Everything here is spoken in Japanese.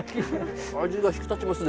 味が引き立ちますね